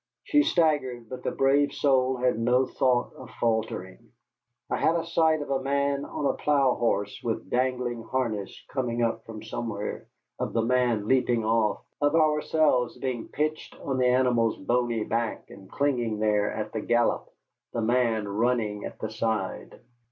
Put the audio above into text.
She staggered, but the brave soul had no thought of faltering. I had a sight of a man on a plough horse with dangling harness coming up from somewhere, of the man leaping off, of ourselves being pitched on the animal's bony back and clinging there at the gallop, the man running at the side.